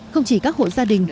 không chỉ các hộ gia đình